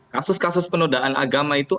kasus kasus penodaan agama itu